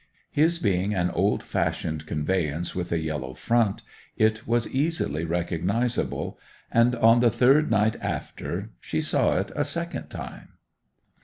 His being an old fashioned conveyance, with a yellow front, it was easily recognizable, and on the third night after she saw it a second time.